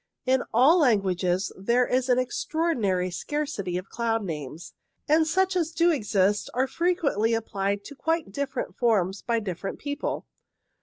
In all languages there is an extraordinary scarcity of cloud names, and such as do exist are frequently applied to quite different forms by different people.